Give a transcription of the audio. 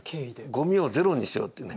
ゴミをゼロにしようっていうね